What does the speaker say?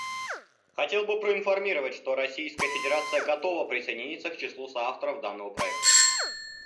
Хотел бы проинформировать, что Российская Федерация готова присоединиться к числу соавторов данного проекта.